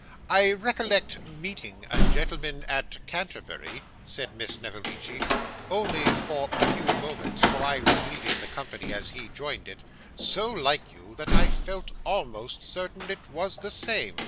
'I recollect meeting a gentleman at Canterbury,' said Miss Snevellicci, 'only for a few moments, for I was leaving the company as he joined it, so like you that I felt almost certain it was the same.